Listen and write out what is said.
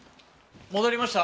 戻りました。